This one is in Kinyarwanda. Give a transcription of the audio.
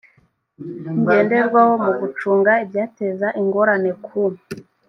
ngenderwaho mu gucunga ibyateza ingorane ku